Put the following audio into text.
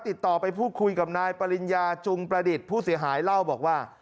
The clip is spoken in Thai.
ติดต่อไปพูดคุยกับนายปริญญาจุงประดิษฐ์ผู้เสียหายเล่าบอกว่า